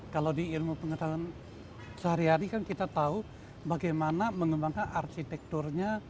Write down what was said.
kalau di ilmu pengetahuan sehari hari kan kita tahu bagaimana mengembangkan arsitekturnya